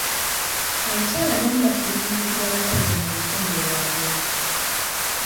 Abakyala abamu batulugunyizibwa abasajja mu bufumbo bwabwe.